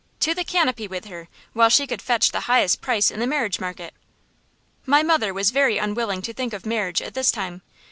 To the canopy with her, while she could fetch the highest price in the marriage market! My mother was very unwilling to think of marriage at this time.